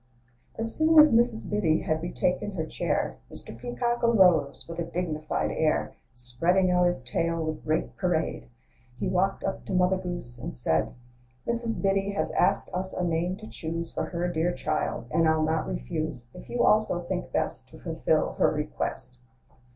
As soon as Mrs. Biddy had retaken her chair, Mr. Peacock arose with a dignified air; 28 THE LIFE AND ADVENTURES Spreading out his tail with great parade, He walked up to Mother Goose, and said, "Mrs. Biddy has asked us a name to choose For her dear child; and I'll not refuse, If you also think best, To fulfil her request."